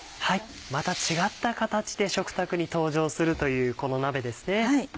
また違った形で食卓に登場するというこの鍋ですね。